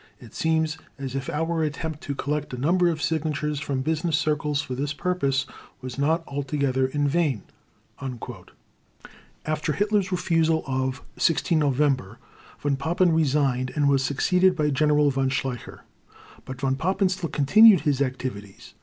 It seems as if our attempt to collect a number of signatures from business circles for this purpose was not altogether in vain ...." After Hitler's refusal of 16 November, Von Papen resigned, and was succeeded by General Von Schleicher; but Von Papen still continued his activities.